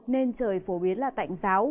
nên trời phổ biến là tạnh giáo